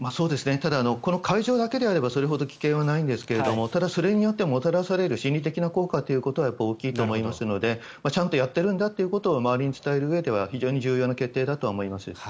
ただ、会場だけであればそれほど危険はないんですがただ、それによってもたらされる心理的な効果というのはやっぱり大きいと思いますのでちゃんとやっているんだということを周りに伝えるうえでは非常に重要な決定だと思います。